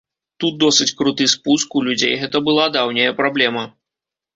Тут досыць круты спуск, у людзей гэта была даўняя праблема.